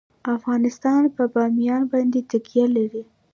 افغانستان په بامیان باندې تکیه لري.